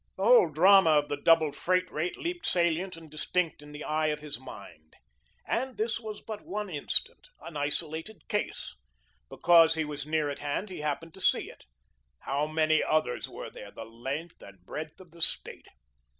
The whole drama of the doubled freight rate leaped salient and distinct in the eye of his mind. And this was but one instance, an isolated case. Because he was near at hand he happened to see it. How many others were there, the length and breadth of the State?